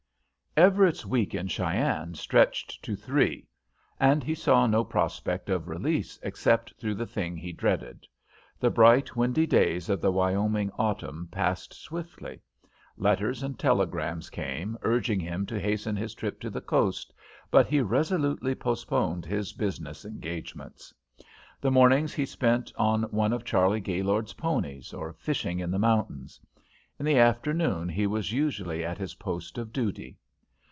Everett's week in Cheyenne stretched to three, and he saw no prospect of release except through the thing he dreaded. The bright, windy days of the Wyoming autumn passed swiftly. Letters and telegrams came urging him to hasten his trip to the coast, but he resolutely postponed his business engagements. The mornings he spent on one of Charley Gaylord's ponies, or fishing in the mountains. In the afternoon he was usually at his post of duty.